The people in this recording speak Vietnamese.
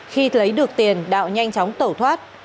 khi lấy được tiền đạo nhanh chóng tẩu thoát